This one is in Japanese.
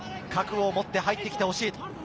覚悟を持って入ってきてほしい。